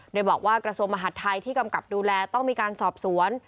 โดยบอกว่ากระทรวงมหาดไทยที่กำกับดูแลต้องมีการสอบสวน